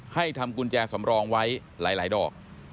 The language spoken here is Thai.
ทำกุญแจสำรองไว้หลายดอก